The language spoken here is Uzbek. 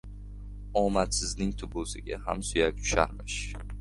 • Omadsizning tubusiga ham suyak tusharmish.